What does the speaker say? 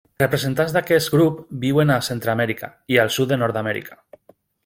Els representants d'aquest grup viuen a Centreamèrica i el sud de Nord-amèrica.